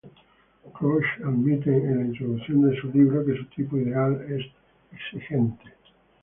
Crouch admite en la introducción de su libro que su tipo ideal es exigente.